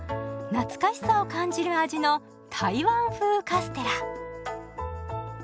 懐かしさを感じる味の台湾風カステラ。